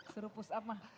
seru pusat mah